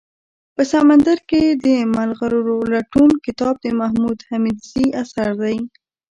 په سمندر کي دملغلرولټون کتاب دمحمودحميدزي اثر دئ